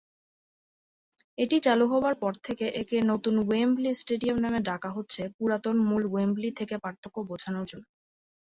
এটি চালু হবার পর থেকে একে "নতুন ওয়েম্বলি স্টেডিয়াম" নামে ডাকা হচ্ছে পুরাতন মূল ওয়েম্বলি থেকে পার্থক্য বোঝানোর জন্য।